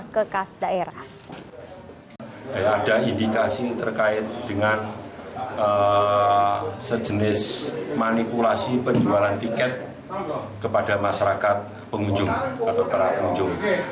ada indikasi terkait dengan sejenis manipulasi penjualan tiket kepada masyarakat pengunjung